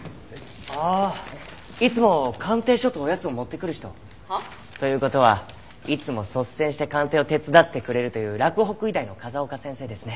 あっいつも鑑定書とおやつを持ってくる人。はあ？という事はいつも率先して鑑定を手伝ってくれるという洛北医大の風丘先生ですね。